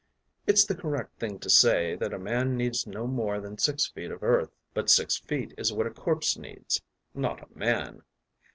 It’s the correct thing to say that a man needs no more than six feet of earth. But six feet is what a corpse needs, not a man.